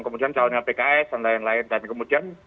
kemudian jauhnya pks dan lain lain